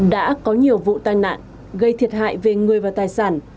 đã có nhiều vụ tai nạn gây thiệt hại về người và tài sản